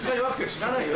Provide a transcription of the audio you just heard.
知らないよ。